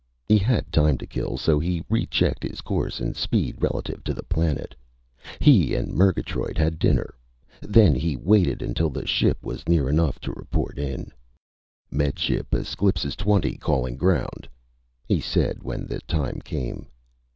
He had time to kill, so he rechecked his course and speed relative to the planet. He and Murgatroyd had dinner. Then he waited until the ship was near enough to report in. "Med Ship Esclipas Twenty calling ground," he said when the time came.